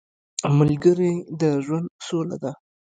ملګری د ژوند سوله ده